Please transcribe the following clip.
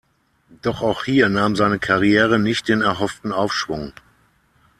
Doch auch hier nahm seine Karriere nicht den erhofften Aufschwung.